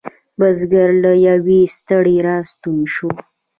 بزگر له یویې ستړی را ستون شو.